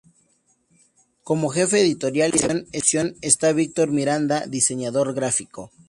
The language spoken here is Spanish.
Como Jefe editorial y de producción está Victor Miranda, Diseñador Gráfico.